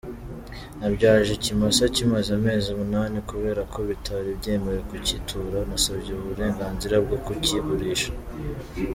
Nabyaje ikimasa kimaze amezi umunani, kubera ko bitari byemewe kucyitura, nasabye uburenganzira bwo kukigurisha.